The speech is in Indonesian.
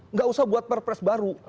nggak usah buat perpres baru